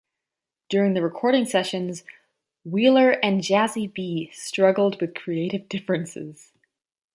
During the recording sessions, Wheeler and Jazzie B struggled with creative differences.